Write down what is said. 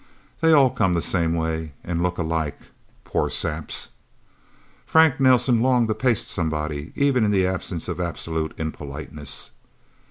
They all come the same way, and look alike. Poor saps... Frank Nelsen longed to paste somebody, even in the absence of absolute impoliteness.